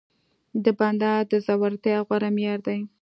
د بنده د زورورتيا غوره معيار دی.